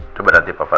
itu berarti papa